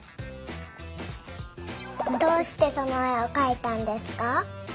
どうしてそのえをかいたんですか？